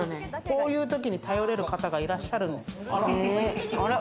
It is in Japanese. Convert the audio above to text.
こういうときに頼れる方がいらっしゃるんですよ。